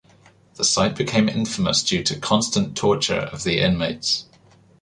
The site became infamous due to constant torture of the inmates.